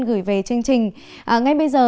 gửi về chương trình ngay bây giờ